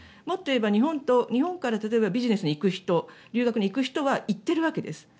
もっと言えば日本から例えばビジネスに行く人留学に行く人は行っているわけです。